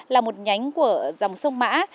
là một nhánh của dòng sông mã